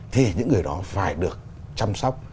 thì những người đó phải được chăm sóc